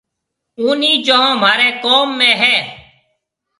اُونَي چونه مهاريَ ڪوم ۾ هيَ۔